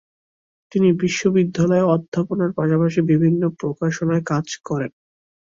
তিনি বিশ্ববিদ্যালয়ে অধ্যাপনার পাশাপাশি বিভিন্ন প্রকাশনায় কাজ করেন।